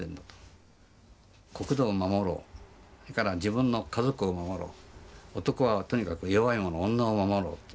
国土を守ろうそれから自分の家族を守ろう男はとにかく弱い者女を守ろう。